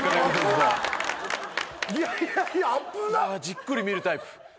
じっくり見るタイプ。